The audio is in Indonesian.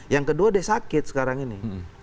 yang kedua dia sakit sekarang ini